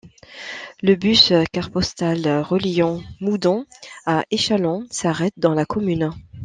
Le bus CarPostal reliant Moudon à Échallens s'arrête dans la commune.